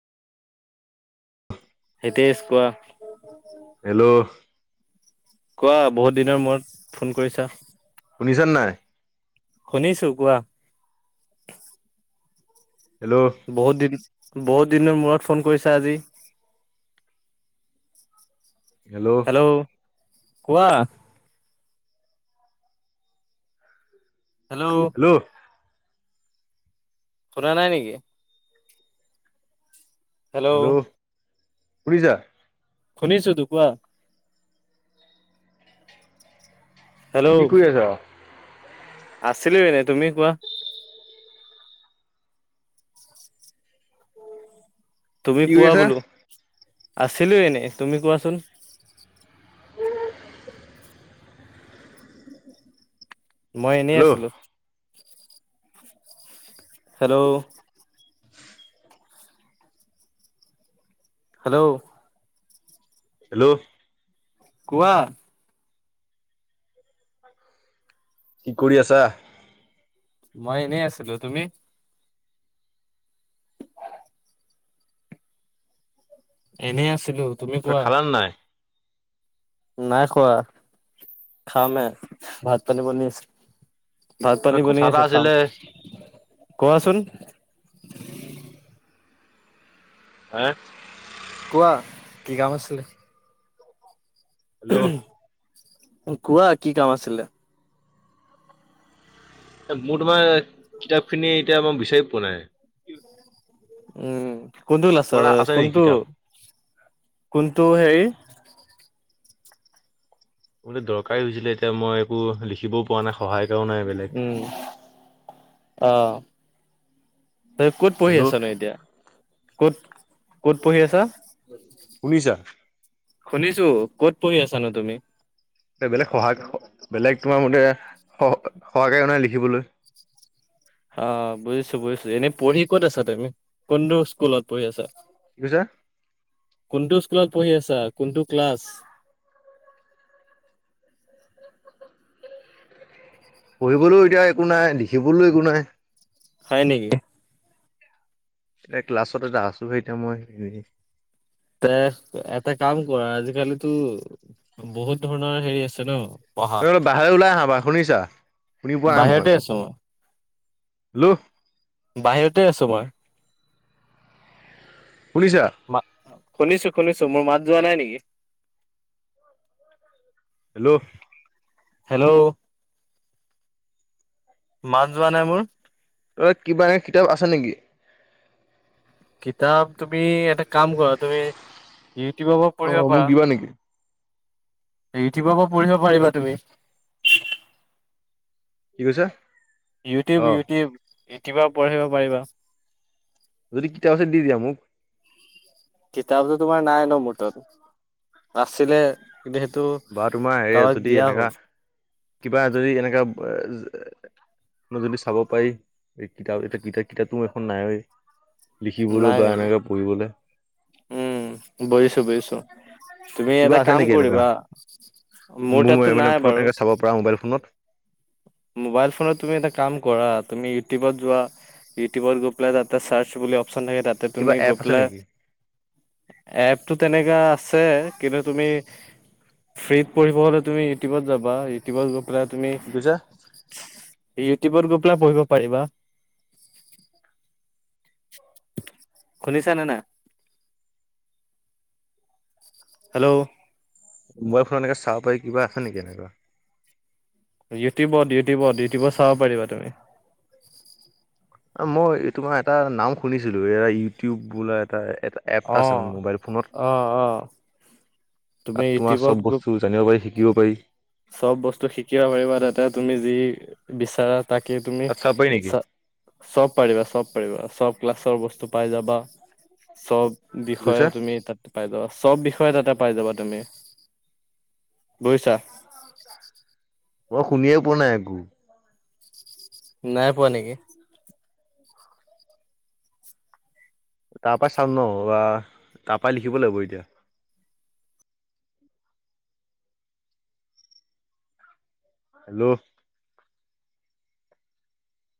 এেইতে ইছ কোৱা হেল্ল' কোৱা বহুত দিনৰ মূৰত ফোন কৰিছা নিচান নাই শুনিছো কোৱা হেল্ল' বহুত দিন বহুত দিনৰ মূৰত ফোন কৰিছা আজি হেল্ল' কোৱা হেল্ল' শুৰা নাই নেকি হেল্ল' শুনিছা শুনিছো তো কোৱা কি কৰি আছ আছিল ন তুমি কোৱা তুমি কি কৰি কোৱা আছা? বোলো আছিলো এনেই তুমি কোৱাচোন মই এনেই হেল্ল' আছিলো হেল্ল' [unintelligible] হেল্ল' হেল্ল' কোৱা কি কৰি আছা মই এনেই আছিলো তুমি এনেই আছিলো তুমি ত কোৱা খালাৰ নাই নাই খোৱা খা মে ভাত পানী বনিছ ভাত পানী পনি কথা এটা আছে খাম আছিলে কোৱাচোন হা কোৱা কি কাম আছিলে হেল্ল' কোৱা কি কাম আছিলে মোৰ তোমাৰ কিতাপ খিনি এতিয়া মই বিচাৰি পোৱা নাই উম কন্দু লা আছে তোমাৰ নেকি কন্দু কিতাপ? কোনটো হেৰি বোলে দৰকাৰী হৈছিলে এতিয়া মই একো লিখিবও পোৱা নাই সহায় এটাও নাই বেলেগ উম অ তই ক'ত পঢ়ি হেল্ল' আছা ন এতিয়া ক'ত ক'ত পঢ়ি আছা শুনিছা শুনিছো ক'ত পঢ়ি আছানো তুমি বেলেগ সহায় হ'ব বেলেগ তোমাৰ মতে স থকাকে মানে লিখিবলৈ [unintelligible] আ বুজিছো বুজিছো এনে পঢ়ি ক'ত আছা তুমি, কোনটো স্কুলত পঢ়ি আছা বুজিছা কোনটো স্কুলত পঢ়ি আছা কোনটো ক্লাছ [inaudible] পঢ়িবলৈও এতিয়া একো নাই লিখিবলৈও একো নাই হয় নেকি এতিয়া ক্লাছত এটা আছো হে এতিয়া মই এ এটা কাম কৰা আজিকালিতো বহুত ধৰণৰ হেৰি আছে ন পঢ়া অ বোলো বাহিৰলে ওলাই আহা বাৰু শুনিছা শুনি পোৱা নাই মই বাহিৰতে একো আছো মই হেল্ল' বাহিৰতে আছো মই শুনিছা শুনিছো শুনিছো মোৰ মাত যোৱা নাই নেকি হেল্ল', হেল্ল', মাত যোৱা নাই মোৰ। অ' কিবা এ কিতাপ আছে নেকি? কিতাপ তুমি এটা কাম কৰা তুমি ইউটিউবৰ পৰা পঢ়িব অ' মোক পাৰা। দিবা নেকি? ইউটিউবৰ পৰা পঢ়িব পাৰিবা তুমি। কি কৈছা? অ' ইউটিউব-ইউটিউব-ইউটিউবৰত পঢ়িব পাৰিবা। যদি কিতাপ আছে দি দিয়া মোক? কিতাপটো তোমাৰ নাই ন মোৰ তাত, আচিলে। বা তোমাৰ হেৰি যদি এনেকা কিবা যদি এনেকা, যদি চাব পাৰি এই কিতাপ এ কিত কিতাপও এখন নাই এই। লিখিবলৈ নাই বা নেকি এনেকে পঢ়িবলে। উম, বুজিছো-বুজিছো। তুমি কিবা এটা আছে কাম নেকি এনেকা? কৰিবা মোৰ তাতটো মানে নাই ফোনত বাৰু। এনেকে চাব পৰা মোবাইল ফোনত মোবাইল ফোনত তুমি এটা কাম কৰা তুমি ইউটিউবত যোৱা ইউটিউবত গৈ পেলাই তাতে চাৰ্চ বুলি অপচন থাকে তাতে কিবা তুমি এপ গৈ আছে পেলাই, নেকি? এপটো তেনেকা আছে কিন্তু তুমি ফ্ৰীত পঢ়িব হ'লে তুমি ইউটিউবত যাবা ইউটিউবত গৈ পেলাই তুমি, কি কৈছা? ইউটিউবত গৈ পেলাই পঢ়িব পাৰিবা। শুনিছা নে নাই। হেল্ল', অ' আই ফ'ৰ এনেকে চাব পাৰি কিবা আছে নেকি এনেকুৱা ইউটিউবত-ইউটিউবত-ইউটিউবত চাব পাৰিবা তুমি। মই তোমাৰ এটা নাম শুনিছিলো এ ইউটিউব বোলা এটা, এটা এপ অ এটা আছে মানে মোবাইল ফোনত, অ অ তুমি তাত তোমাৰ ইউটিউবত চব গৈ বস্তু জানিব। শিকিব পাৰি। চব বস্তু শিকিব পাৰিবা তাতে তুমি যি বিচাৰা। তাকে তুমি তাত চাব পাৰি নেকি চ চব পাৰিবা চব পাৰিবা চব ক্লাছ, চব বস্তু পাই যাবা চব কি কৈছা? বিষয়েও তুমি তাতে পাই যাবা। চব বিষয়ে তাতে পাই যাবা তুমি, বুজিছা। মই শুনিয়ে পোৱা নাই একো। নাই পোৱা নেকি? তাৰ পৰা চাম ন বা তাৰ পৰা লিখিব লাগিব এতিয়া। হেল্ল',